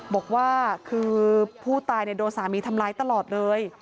บอกว่าคือผู้ตายโดนสามีทำร้ายตลอดเลย